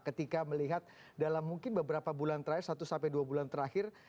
ketika melihat dalam mungkin beberapa bulan terakhir satu sampai dua bulan terakhir